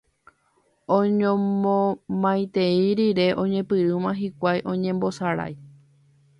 Oñomomaitei rire oñepyrũma hikuái oñembosarái